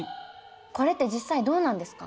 これって実際どうなんですか？